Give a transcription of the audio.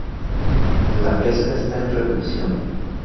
La pesca está en reducción.